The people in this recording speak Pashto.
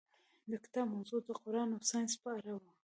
د کتاب موضوع د قرآن او ساینس په اړه وه.